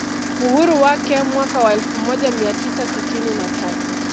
Uhuru wake mwaka wa elfu moja mia tisa sitini na tatu